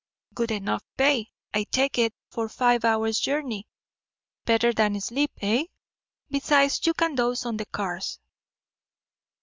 Good enough pay, I take it, for five hours' journey. Better than sleep, eh? Besides, you can doze on the cars."